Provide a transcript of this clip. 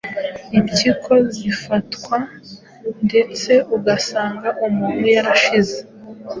impyiko zigafatwa ndetse ugasanga umuntu yarashize.”